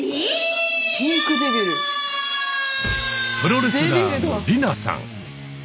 プロレスラーの吏南さん。